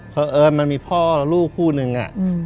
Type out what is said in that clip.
เพราะเอิญมันมีพ่อและลูกคู่หนึ่งอ่ะอืม